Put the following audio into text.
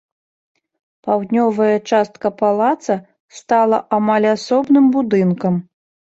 Паўднёвая частка палаца стала амаль асобным будынкам.